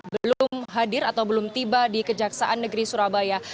belum hadir atau belum tiba di kejaksaan negeri surabaya